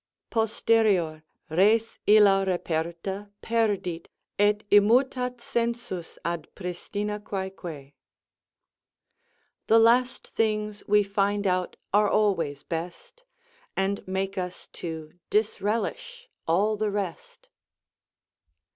Posterior.... res ilia reperta Perdit, et immutat sensus ad pristina qnæqne. "The last things we find out are always best, And make us to disrelish all the rest."